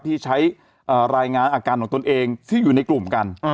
ที่ใช้รายงานอาการของตนเองที่อยู่ในกลุ่มกัน